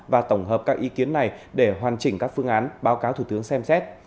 và tổng hợp các ý kiến này để hoàn chỉnh các phương án báo cáo thủ tướng xem xét